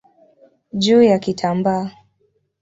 juu ya kitambaa.